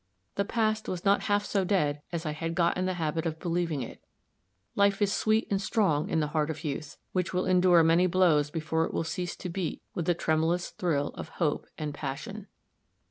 The past was not half so dead as I had got in the habit of believing it life is sweet and strong in the heart of youth, which will endure many blows before it will cease to beat with the tremulous thrill of hope and passion.